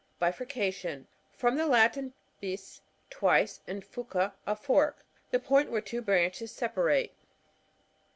Bifurcation. — From the Latin, bU^ twice, and furca^ a fork. The point where two branches sepaiate.